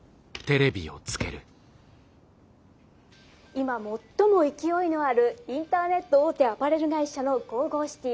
今最も勢いのあるインターネット大手アパレル会社のＧＯＧＯＣＩＴＹ。